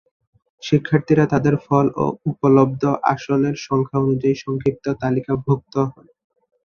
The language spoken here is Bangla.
শিক্ষার্থীরা তাদের পরীক্ষার ফল ও উপলব্ধ আসনের সংখ্যা অনুযায়ী সংক্ষিপ্ত তালিকাভুক্ত হন।